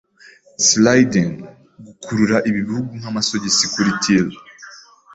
Slidin 'gukurura ibi bihugu nkamasogisi kuri tile